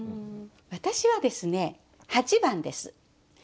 私はですね８番です。